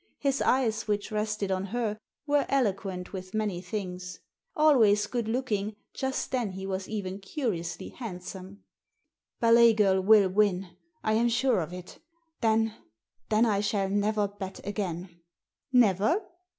His eyes, which rested on her, were eloquent with many things. Always good looking, just then he was even curiously handsome. "Ballet Girl will win; I am sure of it Then — then I shall never bet again." "Never?"